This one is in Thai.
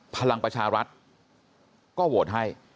พลังประชารัฐก็โหวตให้